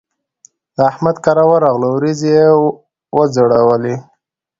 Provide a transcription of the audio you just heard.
د احمد کره ورغلوو؛ وريځې يې وځړولې.